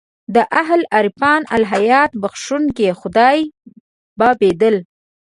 د اهل عرفان الهیات بخښونکی خدای بابېدل.